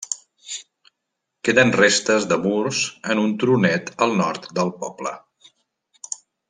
Queden restes de murs en un turonet al nord del poble.